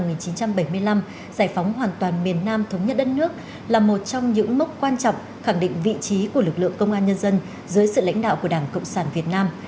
giải phóng hoàn toàn miền nam thống nhất đất nước là một trong những mốc quan trọng khẳng định vị trí của lực lượng công an nhân dân dưới sự lãnh đạo của đảng cộng sản việt nam